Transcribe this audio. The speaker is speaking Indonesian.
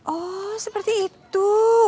oh seperti itu